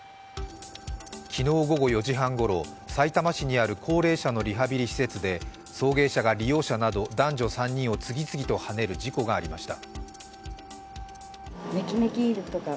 昨日午後４時半ごろ、さいたま市にある高齢者のリハビリ施設で送迎車が利用者など男女３人を次々とはねる事故がありました。